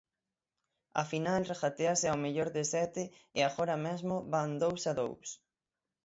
A final regatéase ao mellor de sete e agora mesmo van dous a dous.